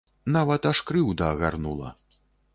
Нават аж крыўда агарнула.